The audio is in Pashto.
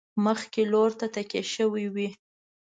مخکې لور ته تکیه شوي وي.